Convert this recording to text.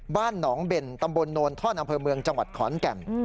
บ้านหนองเบนตำบลโนนท่อนอำเภอเมืองจังหวัดขอนแก่น